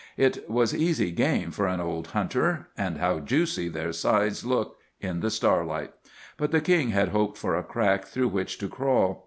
It was easy game for an old hunter—and how juicy their sides looked in the starlight! But the King had hoped for a crack through which to crawl.